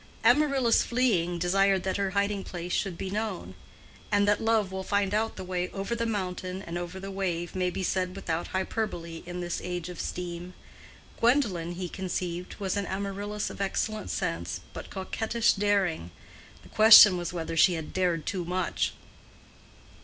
Amaryllis fleeing desired that her hiding place should be known; and that love will find out the way "over the mountain and over the wave" may be said without hyperbole in this age of steam. Gwendolen, he conceived, was an Amaryllis of excellent sense but coquettish daring; the question was whether she had dared too much.